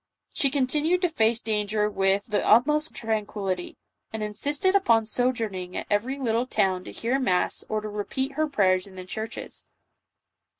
She continued to face danger with the utmost tranquillity, and insisted upon sojourning at every little town to hear mass or to repeat her prayers in the churches.